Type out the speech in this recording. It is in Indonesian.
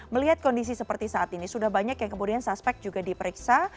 melihat kondisi seperti saat ini sudah banyak yang kemudian suspek juga diperiksa